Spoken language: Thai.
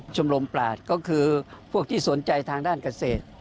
ชมรมปลาดก็คือพวกที่สนใจทางด้านเกษตร